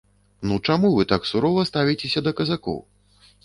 Ну чаму вы так сурова ставіцеся да казакоў?